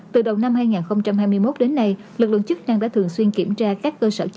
từ đầu năm hai nghìn hai mươi một đến nay lực lượng chức năng đã thường xuyên kiểm tra